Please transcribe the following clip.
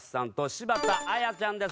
柴田阿弥ちゃんです。